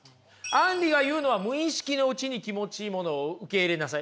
アンリが言うのは無意識のうちに気持ちいいものを受け入れなさい。